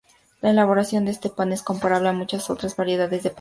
La elaboración de este pan es comparable a muchas otras variedades de pan dulce.